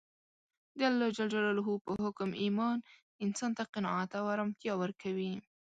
د الله په حکم ایمان انسان ته قناعت او ارامتیا ورکوي